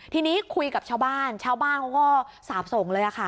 ทีนี้คุยกับชาวบ้านชาวบ้านเขาก็สาบส่งเลยค่ะ